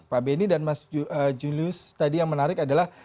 pak benny dan mas julius tadi yang menarik adalah